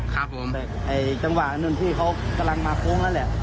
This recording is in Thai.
ครับผมแต่จังหวะนึงที่เขากำลังมาโพงแล้วแหละ